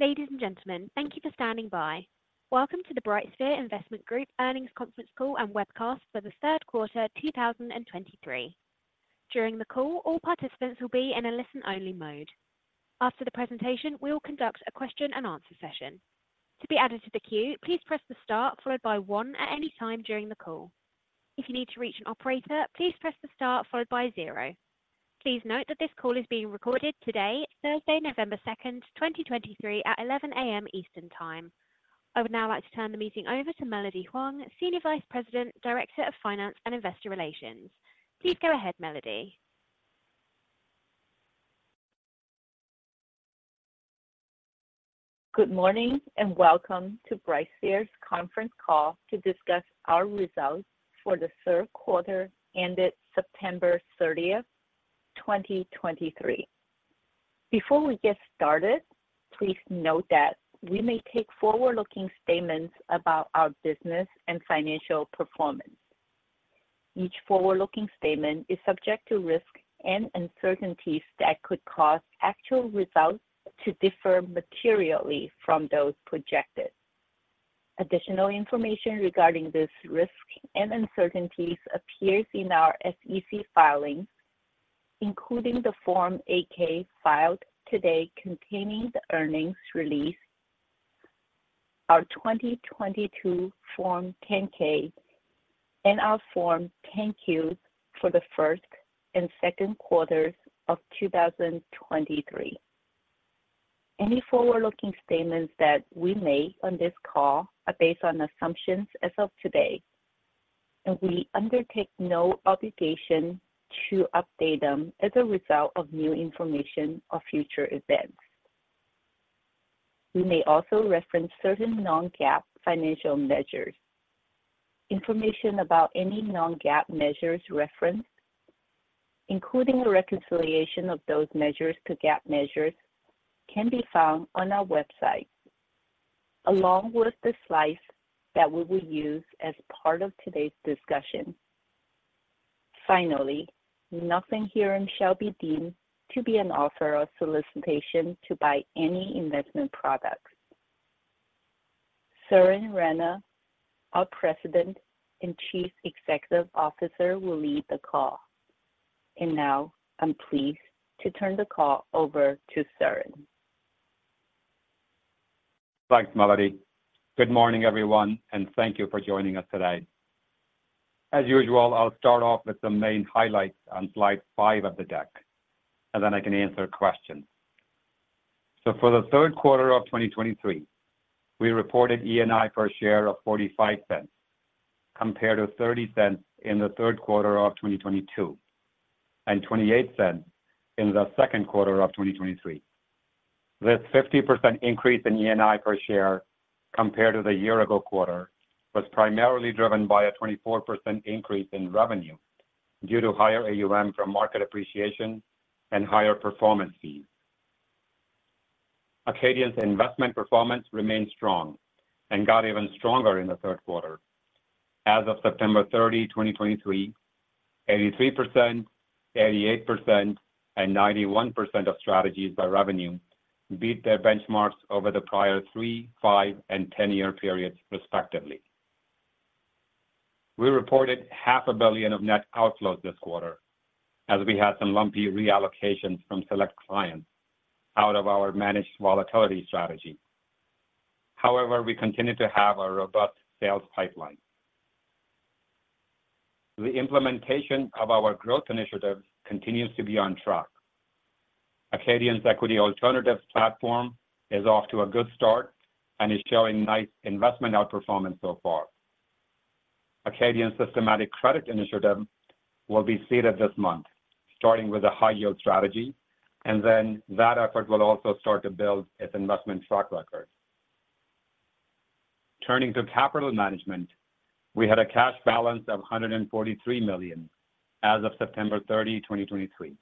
Ladies and gentlemen, thank you for standing by. Welcome to the BrightSphere Investment Group earnings conference call and webcast for the third quarter, 2023. During the call, all participants will be in a listen-only mode. After the presentation, we will conduct a question-and-answer session. To be added to the queue, please press the star followed by one at any time during the call. If you need to reach an operator, please press the star followed by zero. Please note that this call is being recorded today, Thursday, November 2, 2023, at 11 A.M. Eastern Time. I would now like to turn the meeting over to Melody Huang, Senior Vice President, Director of Finance and Investor Relations. Please go ahead, Melody. Good morning, and welcome to BrightSphere's conference call to discuss our results for the third quarter, ended September 30, 2023. Before we get started, please note that we may take forward-looking statements about our business and financial performance. Each forward-looking statement is subject to risks and uncertainties that could cause actual results to differ materially from those projected. Additional information regarding this risk and uncertainties appears in our SEC filings, including the Form 8-K filed today, containing the earnings release, our 2022 Form 10-K, and our Form 10-Q for the first and second quarters of 2023. Any forward-looking statements that we make on this call are based on assumptions as of today, and we undertake no obligation to update them as a result of new information or future events. We may also reference certain non-GAAP financial measures. Information about any non-GAAP measures referenced, including a reconciliation of those measures to GAAP measures, can be found on our website, along with the slides that we will use as part of today's discussion. Finally, nothing herein shall be deemed to be an offer or solicitation to buy any investment products. Suren Rana, our President and Chief Executive Officer, will lead the call. And now, I'm pleased to turn the call over to Suren. Thanks, Melody. Good morning, everyone, and thank you for joining us today. As usual, I'll start off with the main highlights on slide five of the deck, and then I can answer questions. For the third quarter of 2023, we reported ENI per share of $0.45, compared to $0.30 in the third quarter of 2022 and $0.28 in the second quarter of 2023. This 50% increase in ENI per share compared to the year-ago quarter was primarily driven by a 24% increase in revenue due to higher AUM from market appreciation and higher performance fees. Acadian's investment performance remained strong and got even stronger in the third quarter. As of September 30, 2023, 83%, 88%, and 91% of strategies by revenue beat their benchmarks over the prior three, five, and 10-year periods, respectively. We reported $500 million of net outflows this quarter as we had some lumpy reallocations from select clients out of our Managed Volatility Strategy. However, we continue to have a robust sales pipeline. The implementation of our growth initiatives continues to be on track. Acadian's Equity Alternatives platform is off to a good start and is showing nice investment outperformance so far. Acadian's Systematic Credit initiative will be seeded this month, starting with a high yield strategy, and then that effort will also start to build its investment track record. Turning to capital management, we had a cash balance of $143 million as of September 30, 2023.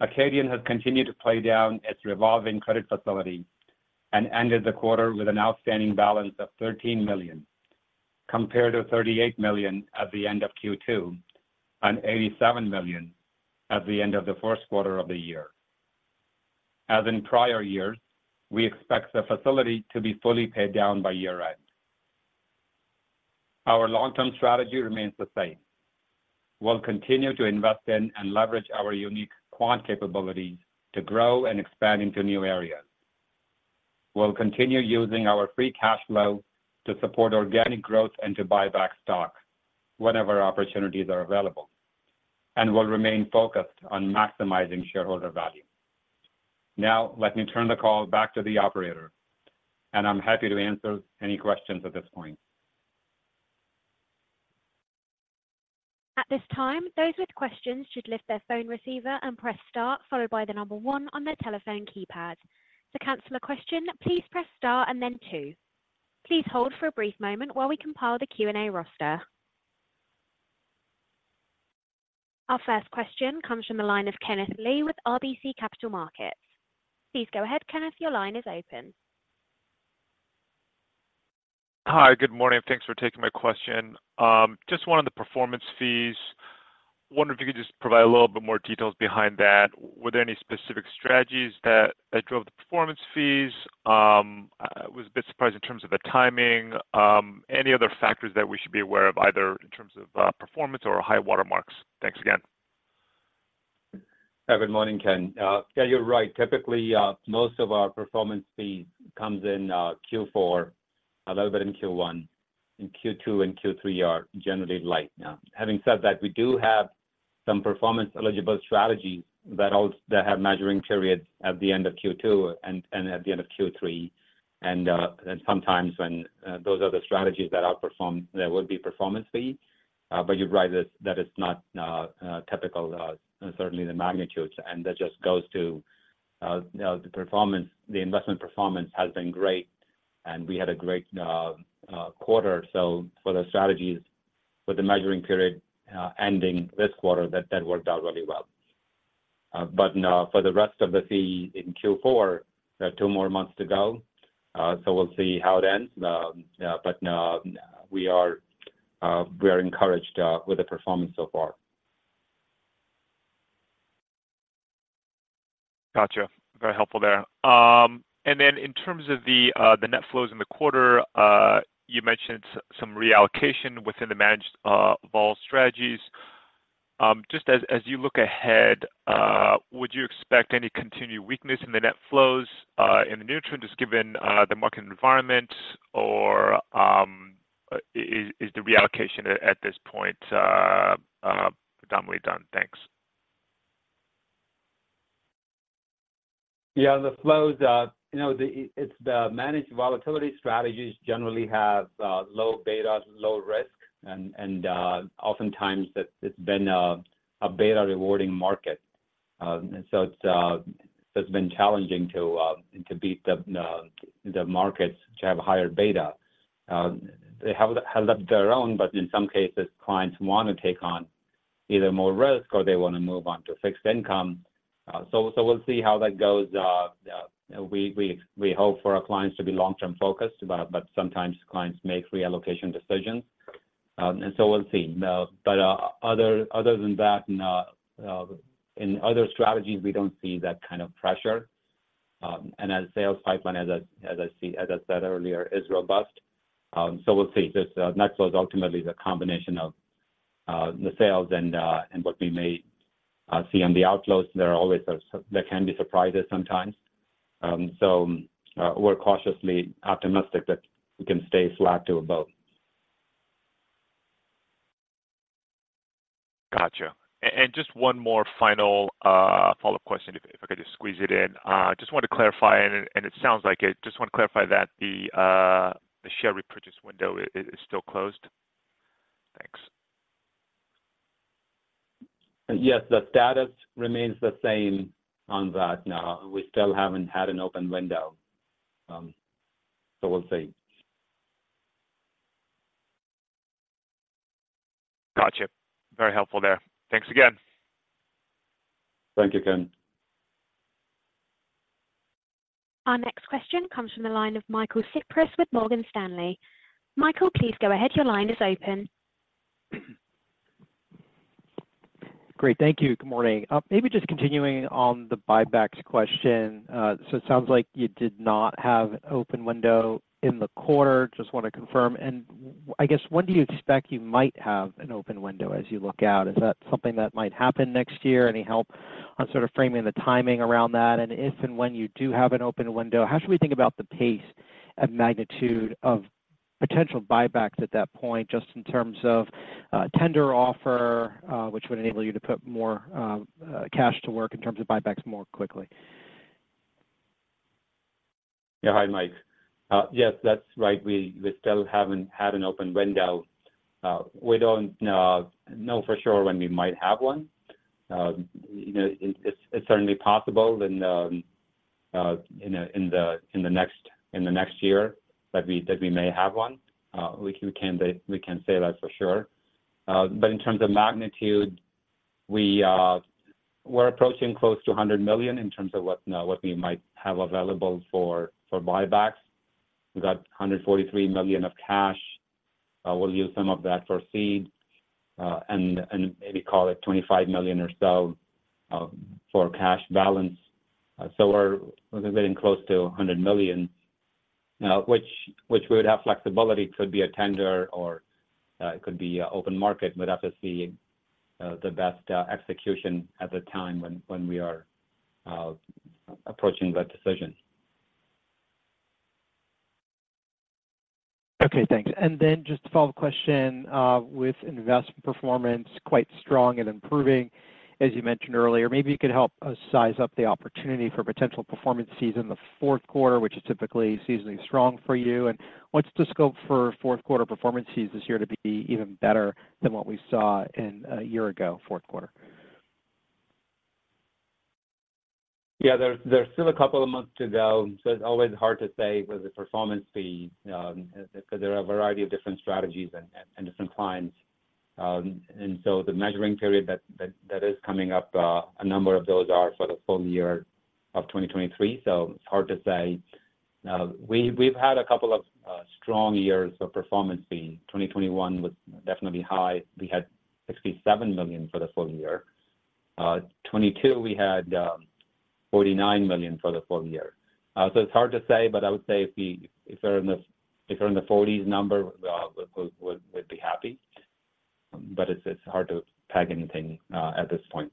Acadian has continued to pay down its Revolving Credit Facility and ended the quarter with an outstanding balance of $13 million, compared to $38 million at the end of Q2 and $87 million at the end of the first quarter of the year. As in prior years, we expect the facility to be fully paid down by year-end. Our long-term strategy remains the same. We'll continue to invest in and leverage our unique quant capabilities to grow and expand into new areas. We'll continue using our free cash flow to support organic growth and to buy back stock whenever opportunities are available, and we'll remain focused on maximizing shareholder value. Now, let me turn the call back to the operator, and I'm happy to answer any questions at this point. At this time, those with questions should lift their phone receiver and press Star, followed by the number one on their telephone keypad. To cancel a question, please press Star and then two. Please hold for a brief moment while we compile the Q&A roster. Our first question comes from the line of Kenneth Lee with RBC Capital Markets. Please go ahead, Kenneth. Your line is open. Hi, good morning. Thanks for taking my question. Just one of the performance fees. Wonder if you could just provide a little bit more details behind that? Were there any specific strategies that drove the performance fees? I was a bit surprised in terms of the timing. Any other factors that we should be aware of, either in terms of performance or high water marks? Thanks again. Hi, good morning, Ken. Yeah, you're right. Typically, most of our performance fee comes in Q4, a little bit in Q1, and Q2 and Q3 are generally light now. Having said that, we do have some performance-eligible strategies that have measuring periods at the end of Q2 and at the end of Q3. Sometimes when those are the strategies that outperform, there will be performance fee. But you're right, that is not typical, certainly the magnitudes. And that just goes to the performance. The investment performance has been great, and we had a great quarter. So for the strategies with the measuring period ending this quarter, that worked out really well. For the rest of the year in Q4, there are two more months to go, so we'll see how it ends. We are encouraged with the performance so far. Gotcha. Very helpful there. And then in terms of the net flows in the quarter, you mentioned some reallocation within the managed vol strategies. Just as you look ahead, would you expect any continued weakness in the net flows in the near term, just given the market environment? Or, is the reallocation at this point predominantly done? Thanks. Yeah, the flows, you know, the, it's the managed volatility strategies generally have low betas, low risk, and oftentimes, it's been a beta rewarding market. And so it's been challenging to beat the markets which have higher beta. They have held up their own, but in some cases, clients want to take on either more risk or they want to move on to fixed income. So, we'll see how that goes. We hope for our clients to be long-term focused, but sometimes clients make reallocation decisions. And so we'll see. But, other than that, in other strategies, we don't see that kind of pressure. And as sales pipeline, as I said earlier, is robust. So we'll see. This net flow is ultimately the combination of the sales and and what we may see on the outflows. There are always there can be surprises sometimes. So we're cautiously optimistic that we can stay flat to about. Gotcha. And just one more final, follow-up question, if I could just squeeze it in. Just want to clarify, and it sounds like it. Just want to clarify that the share repurchase window is still closed? Thanks. Yes, the status remains the same on that. Now, we still haven't had an open window. So we'll see. Gotcha. Very helpful there. Thanks again. Thank you, Ken. Our next question comes from the line of Michael Cyprys with Morgan Stanley. Michael, please go ahead. Your line is open. Great. Thank you. Good morning. Maybe just continuing on the buybacks question. So it sounds like you did not have an open window in the quarter. Just want to confirm. And I guess, when do you expect you might have an open window as you look out? Is that something that might happen next year? Any help on sort of framing the timing around that? And if and when you do have an open window, how should we think about the pace and magnitude of potential buybacks at that point, just in terms of tender offer, which would enable you to put more cash to work in terms of buybacks more quickly? Yeah. Hi, Mike. Yes, that's right. We still haven't had an open window. We don't know for sure when we might have one. You know, it's certainly possible then in the next year that we may have one. We can say that for sure. But in terms of magnitude, we're approaching close to $100 million in terms of what we might have available for buybacks. We got $143 million of cash. We'll use some of that for seed and maybe call it $25 million or so for cash balance. So we're getting close to $100 million, which we would have flexibility. Could be a tender or it could be an open market. We'd have to see the best execution at the time when we are approaching that decision. Okay, thanks. And then just a follow-up question, with investment performance quite strong and improving, as you mentioned earlier, maybe you could help us size up the opportunity for potential performance fees in the fourth quarter, which is typically seasonally strong for you. And what's the scope for fourth quarter performance fees this year to be even better than what we saw in, a year ago, fourth quarter? Yeah, there's still a couple of months to go, so it's always hard to say with the performance fee, because there are a variety of different strategies and different clients. And so the measuring period that is coming up, a number of those are for the full year of 2023, so it's hard to say. We've had a couple of strong years of performance fee. 2021 was definitely high. We had $67 million for the full year. 2022, we had $49 million for the full year. So it's hard to say, but I would say if they're in the forties number, we'd be happy. But it's hard to peg anything at this point.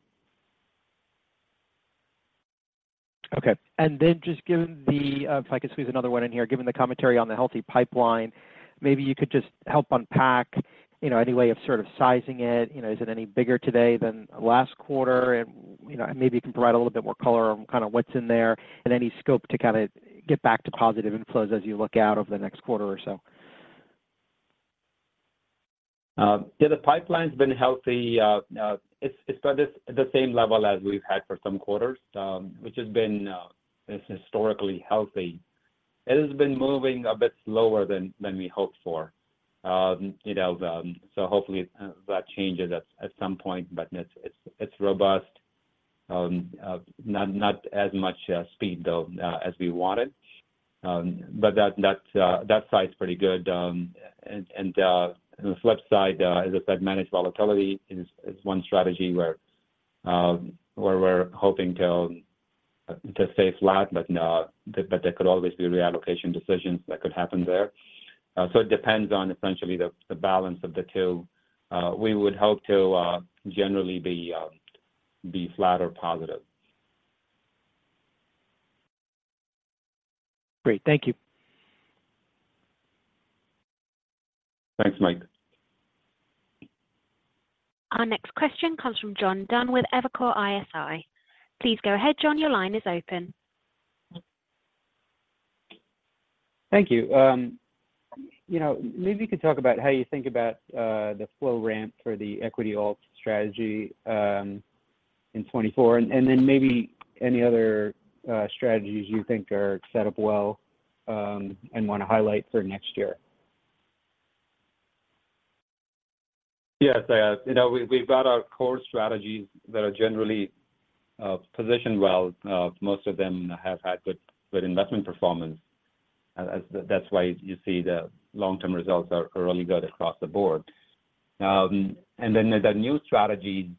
Okay. And then just given the, if I could squeeze another one in here, given the commentary on the healthy pipeline, maybe you could just help unpack, you know, any way of sort of sizing it. You know, is it any bigger today than last quarter? And, you know, and maybe you can provide a little bit more color on kind of what's in there, and any scope to kind of get back to positive inflows as you look out over the next quarter or so. Yeah, the pipeline's been healthy. It's about the same level as we've had for some quarters, which has been historically healthy. It has been moving a bit slower than we hoped for. You know, so hopefully that changes at some point, but it's robust. Not as much speed, though, as we wanted. But that side is pretty good. And on the flip side, as I said, managed volatility is one strategy where we're hoping to stay flat, but there could always be reallocation decisions that could happen there. So it depends on essentially the balance of the two. We would hope to generally be flat or positive. Great. Thank you. Thanks, Mike. Our next question comes from John Dunn with Evercore ISI. Please go ahead, John, your line is open. Thank you. You know, maybe you could talk about how you think about the flow ramp for the equity alt strategy in 2024, and then maybe any other strategies you think are set up well and want to highlight for next year. Yes, you know, we've got our core strategies that are generally positioned well. Most of them have had good investment performance. That's why you see the long-term results are really good across the board. And then there's a new strategy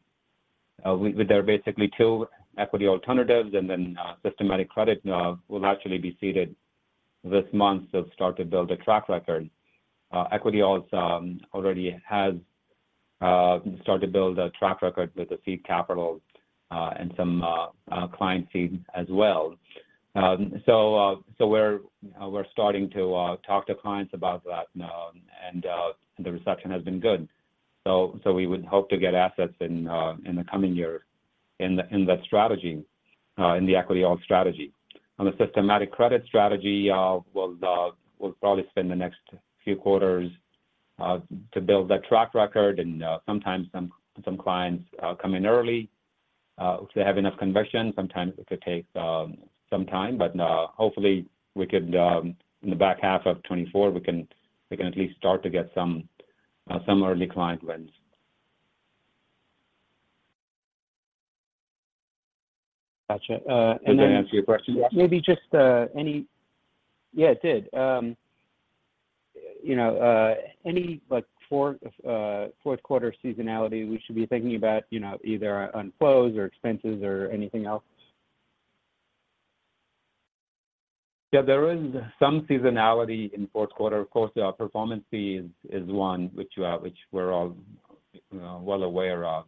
with there are basically two Equity Alternatives, and then Systematic Credit will actually be seeded this month to start to build a track record. Equity alts already has started to build a track record with the seed capital and some client seed as well. So we're starting to talk to clients about that now, and the reception has been good. So we would hope to get assets in in the coming year in that strategy, in the equity alt strategy. On the Systematic Credit strategy, we'll probably spend the next few quarters to build that track record, and sometimes some clients come in early if they have enough conviction. Sometimes it could take some time, but hopefully we could in the back half of 2024, we can at least start to get some early client wins. Gotcha. And then- Did that answer your question? Yeah. Maybe just any... Yeah, it did. You know, any, like, fourth quarter seasonality we should be thinking about, you know, either on flows or expenses or anything else? Yeah, there is some seasonality in fourth quarter. Of course, our performance fee is one which we're all well aware of.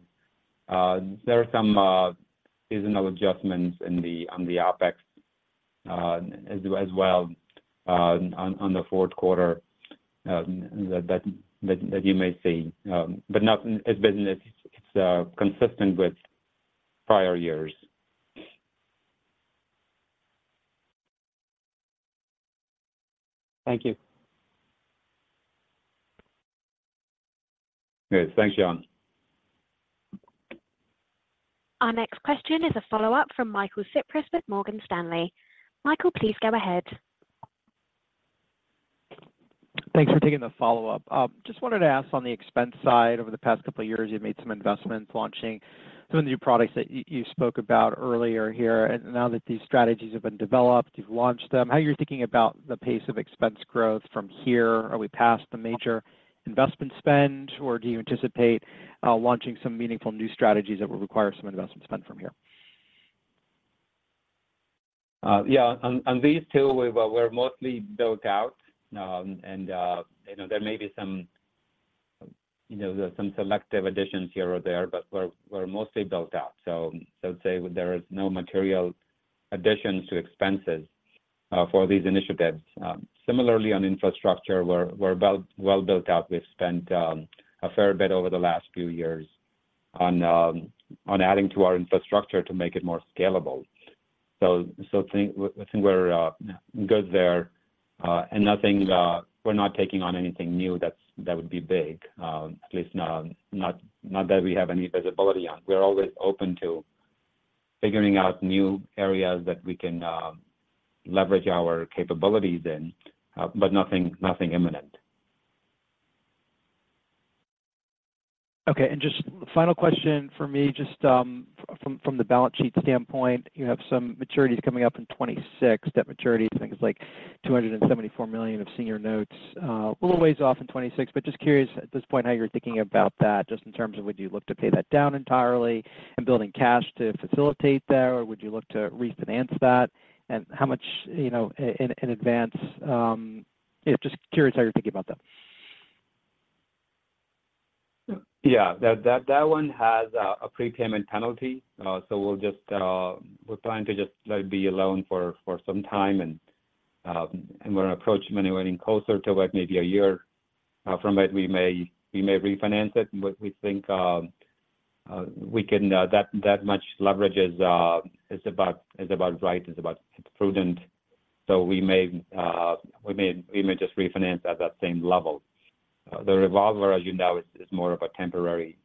There are some seasonal adjustments in the OpEx as well on the fourth quarter that you may see, but nothing it's business, it's consistent with prior years. Thank you. Good. Thanks, John. Our next question is a follow-up from Michael Cyprys with Morgan Stanley. Michael, please go ahead. Thanks for taking the follow-up. Just wanted to ask on the expense side, over the past couple of years, you've made some investments, launching some of the new products that you, you spoke about earlier here. And now that these strategies have been developed, you've launched them, how are you thinking about the pace of expense growth from here? Are we past the major investment spend, or do you anticipate launching some meaningful new strategies that will require some investment spend from here? Yeah, on these two, we're mostly built out. You know, there may be some, you know, there are some selective additions here or there, but we're mostly built out. So I'd say there is no material additions to expenses for these initiatives. Similarly, on infrastructure, we're about well built out. We've spent a fair bit over the last few years on adding to our infrastructure to make it more scalable. So I think we're good there, and nothing, we're not taking on anything new that's that would be big. At least not that we have any visibility on. We're always open to figuring out new areas that we can leverage our capabilities in, but nothing imminent. Okay. And just final question for me, just, from, from the balance sheet standpoint, you have some maturities coming up in 2026, debt maturities, I think it's like $274 million of Senior Notes, a little ways off in 2026. But just curious at this point, how you're thinking about that, just in terms of would you look to pay that down entirely and building cash to facilitate that, or would you look to refinance that? And how much, you know, in advance. Yeah, just curious how you're thinking about that. Yeah. That one has a prepayment penalty. We'll just, we're planning to just let it be alone for some time, and we're gonna approach maybe getting closer to what, maybe a year from it, we may refinance it. We think we can, that much leverage is about right, is about prudent. We may, we may just refinance at that same level. The revolver, as you know, is more of a temporary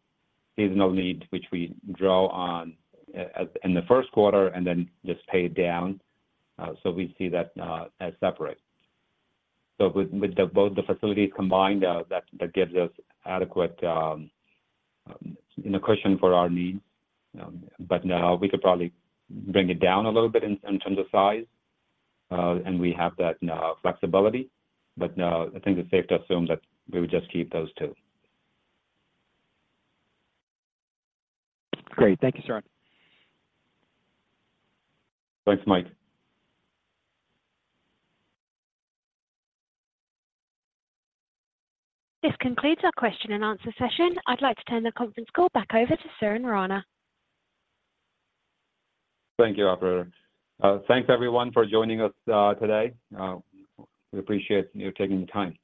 seasonal need, which we draw on in the first quarter and then just pay it down. We see that as separate. With both the facilities combined, that gives us adequate cushion for our needs. But, we could probably bring it down a little bit in terms of size, and we have that flexibility. But, I think it's safe to assume that we would just keep those two. Great. Thank you, Suren. Thanks, Mike. This concludes our question and answer session. I'd like to turn the conference call back over to Suren Rana. Thank you, operator. Thanks everyone for joining us, today. We appreciate you taking the time.